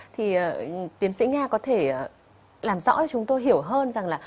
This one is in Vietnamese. thì tiến sĩ nga có thể làm rõ chúng tôi hiểu hơn rằng là